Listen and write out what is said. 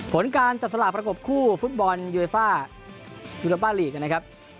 ผลการจับสลากประกบคู่ฟุตบอลโยฟ่ายูโรป้าลีกนะครับ